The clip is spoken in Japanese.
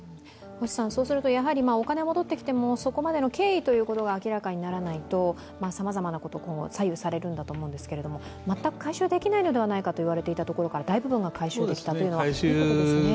そうするとお金は戻ってきてもそこまでの経緯が明らかにならないとさまざまなこと、今後左右されるんだと思いますが全く回収できないのではないかと言われていたところから大部分が回収できたというのはいいことですね。